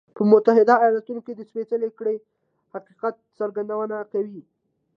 په متحده ایالتونو کې د سپېڅلې کړۍ حقیقت څرګندونه کوي.